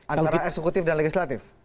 antara eksekutif dan legislatif